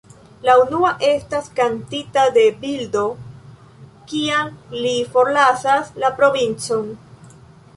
La unua estas kantita de Bildo kiam li forlasas La Provincon.